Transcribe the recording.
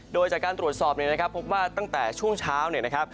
โดยจากการตรวจสอบเนี่ยนะครับพบว่าตั้งแต่ช่วงเช้าเนี่ยนะครับ